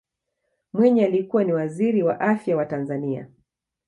mwinyi alikuwa ni waziri wa afya wa tanzania